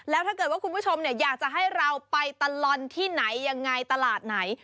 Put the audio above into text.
แล้วถ้าเกิดว่าคุณผู้ชมอยากจะให้เราไปตลอดที่ไหนยังไงตลาดไหน